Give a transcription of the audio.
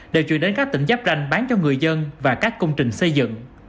đều chuyển đến các tỉnh giáp ranh bán cho người dân và các công trình xây dựng